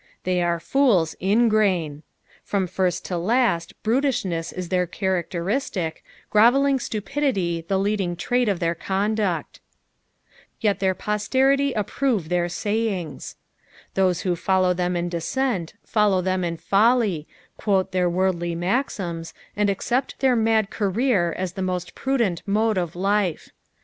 They are fools ingrain. From first to last brutishness is their characteristic, grovelling stupidity the leading trait of their conduct. " Tet thar poiterity approve their soyinps." Those who follow them in descent follow tbem in folly, quote their worldly maxims, and accept their mad career as the most prudent mode of life.